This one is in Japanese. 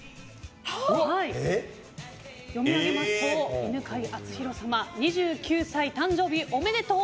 読み上げますと犬飼貴丈様、２９歳誕生日おめでとう。